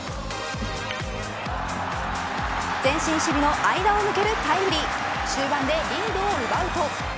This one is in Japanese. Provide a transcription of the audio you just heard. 前進守備の間を抜けるタイムリー終盤でリードを奪うと。